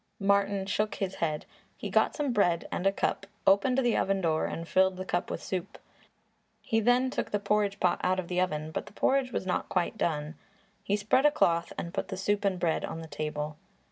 Martin shook his head. He got some bread and a cup, opened the oven door and filled the cup with soup. He then took the porridge pot out of the oven, but the porridge was not quite done. He spread a cloth and put the soup and bread on the table.